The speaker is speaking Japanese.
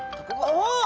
・おっ！